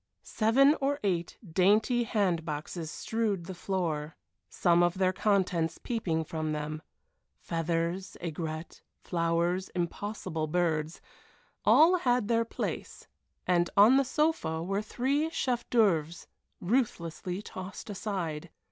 Seven or eight dainty bandboxes strewed the floor, some of their contents peeping from them feathers, aigrettes, flowers, impossible birds all had their place, and on the sofa were three chef d'oeuvres ruthlessly tossed aside.